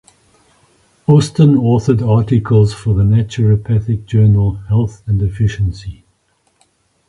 Austin authored articles for the naturopathic journal "Health and Efficiency".